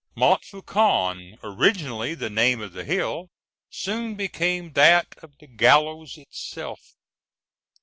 Montfaucon, originally the name of the hill, soon became that of the gallows itself.